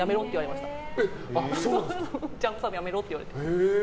なので、ジャンプサーブやめろって言われました。